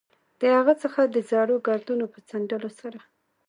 له هغه څخه د زړو ګردونو په څنډلو سره.